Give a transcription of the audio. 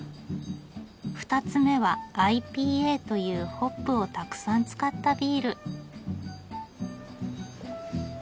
２つ目はＩＰＡというホップをたくさん使ったビール。